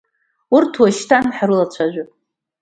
Урҭ уашьҭан ҳрылацәажәап.